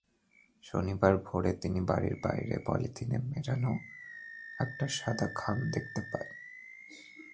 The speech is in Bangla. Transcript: শনিবার ভোরে তিনি বাড়ির বাইরে পলিথিনে মোড়ানো একটি সাদা খাম দেখতে পান।